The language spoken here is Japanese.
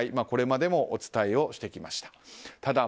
これまでもお伝えしてきました。